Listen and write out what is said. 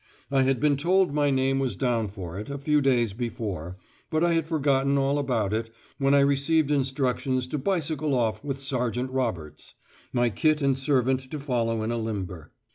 I had been told my name was down for it, a few days before, but I had forgotten all about it, when I received instructions to bicycle off with Sergeant Roberts; my kit and servant to follow in a limber.